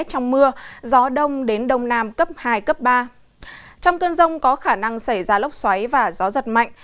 trong cơn rông có khả năng xảy ra lốc xoáy và gió giật mạnh